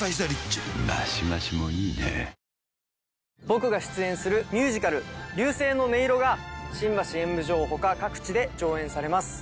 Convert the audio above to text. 僕が出演するミュージカル『流星の音色』が新橋演舞場他各地で上演されます。